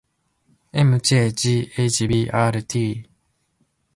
ｍｊｇｈｂｒｔ